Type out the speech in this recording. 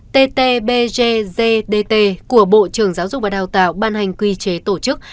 ttbgzdt của bộ trường giáo dục và đào tạo ban hành quy chế tổ chức